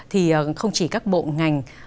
thì không chỉ các bộ ngành